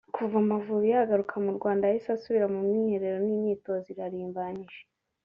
kuva Amavubi yagaruka mu Rwanda yahise asubira mu mwiherero n’imyitozo irarimbanyije